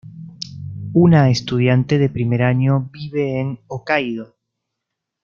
Una estudiante de primer año, vive en Hokkaido.